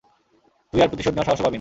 তুই আর প্রতিশোধ নেওয়ার সাহসও পাবি না!